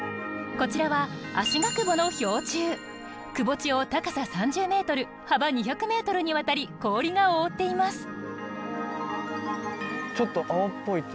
こちらはくぼ地を高さ３０ｍ幅２００ｍにわたり氷が覆っています。